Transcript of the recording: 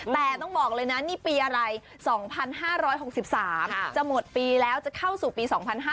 แต่ต้องบอกเลยนะนี่ปีอะไร๒๕๖๓จะหมดปีแล้วจะเข้าสู่ปี๒๕๕๙